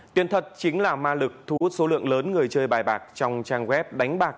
tiền thật chính là ma lực thu hút số lượng lớn người chơi bài bạc trong trang web đánh bạc